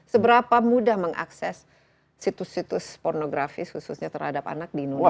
seberapa mudah mengakses situs situs pornografis khususnya terhadap anak di indonesia